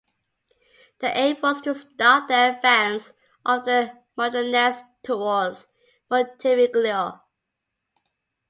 The aim was to stop the advance of the Modenese towards Monteveglio.